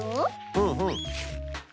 うんうん。